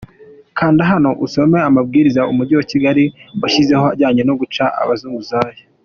Kanda hano usome amabwiriza Umujyi wa Kigali washyizeho ajyanye no guca abazunguzayi.